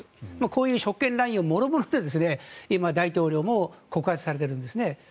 こういう職権乱用もろもろで大統領は告発されているんですね。